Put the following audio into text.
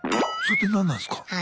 それって何なんすか？